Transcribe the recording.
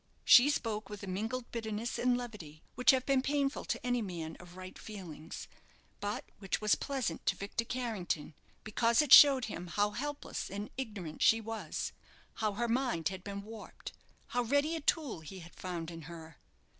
She spoke with a mingled bitterness and levity which have been painful to any man of right feelings, but which was pleasant to Victor Carrington, because it showed him how helpless and ignorant she was, how her mind had been warped, how ready a tool he had found in her.